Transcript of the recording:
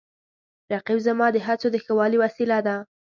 رقیب زما د هڅو د ښه والي وسیله ده